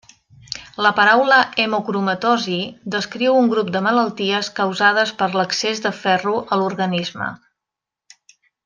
La paraula hemocromatosi descriu un grup de malalties causades per l'excés de ferro a l'organisme.